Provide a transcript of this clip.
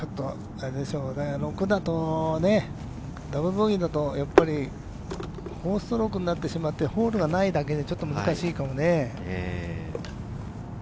６だとね、ダブルボギーだと４ストロークになってしまってホールがないだけに、ちょっと難しいかもね。